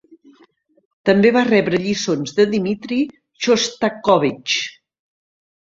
També va rebre lliçons de Dmitri Xostakóvitx.